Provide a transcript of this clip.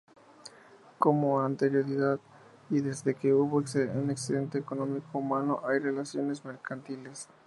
Con anterioridad y desde que hubo un excedente económico humano, hay relaciones mercantiles.